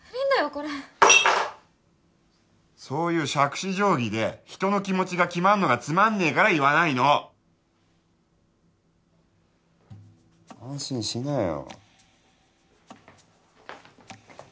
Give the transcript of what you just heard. これそういうしゃくし定規で人の気持ちが決まんのがつまんねえから言わないの安心しなよ